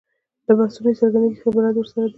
له بحثونو یې څرګندېږي ښه بلد ورسره دی.